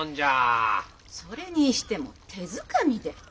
それにしても手づかみで。